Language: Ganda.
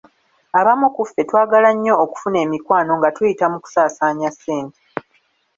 Abamu ku ffe twagala nnyo okufuna emikwano nga tuyita mu kusaasanya ssente.